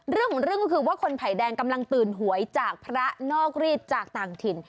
เรื่องของเรื่องก็คือว่าคนไผ่แดงกำลังตื่นหวยจากพระนอกรีดจากต่างถิ่น